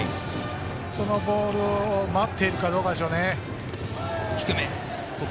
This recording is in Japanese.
そのボールを待っているかどうかですね。